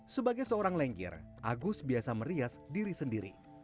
sebagai seorang lengger agus biasa merias diri sendiri